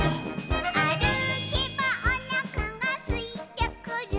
「あるけばおなかがすいてくる」